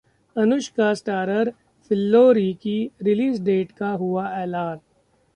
Anushka starrer 'Phillauri' की release date का हुआ ऐलान